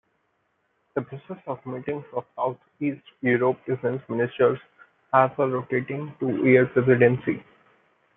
The Process of Meetings of Southeast Europe Defence Ministers has a rotating two-year presidency.